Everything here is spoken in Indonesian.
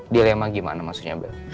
dilema gimana maksudnya mbak